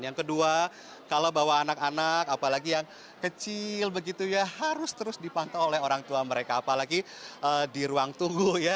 yang kedua kalau bawa anak anak apalagi yang kecil begitu ya harus terus dipantau oleh orang tua mereka apalagi di ruang tunggu ya